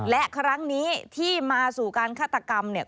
และครั้งนี้ที่มาสู่การฆาตกรรมเนี่ย